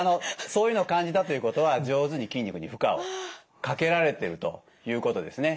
そういうのを感じたということは上手に筋肉に負荷をかけられてるということですね。